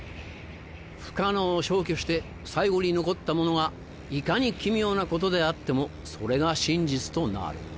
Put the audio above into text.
不可能を消去して最後に残ったものがいかに奇妙なことであってもそれが真実となる。